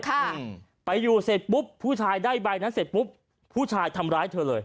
ค่ะไปอยู่เสร็จปุ๊บผู้ชายได้ใบนั้นเสร็จปุ๊บผู้ชายทำร้ายเธอเลย